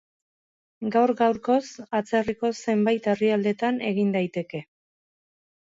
Gaur gaurkoz, atzerriko zenbait herrialdetan egin daiteke.